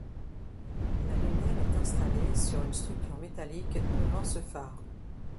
La lumière est installée sur une structure métallique devant ce phare.